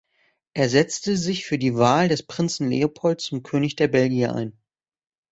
Er setzte sich für die Wahl des Prinzen Leopold zum König der Belgier ein.